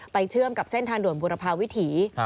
เชื่อมกับเส้นทางด่วนบุรพาวิถี